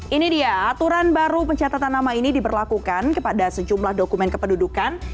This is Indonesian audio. ini dia aturan baru pencatatan nama ini diberlakukan kepada sejumlah dokumen kependudukan